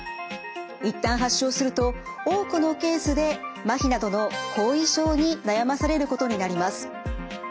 一旦発症すると多くのケースでマヒなどの後遺症に悩まされることになります。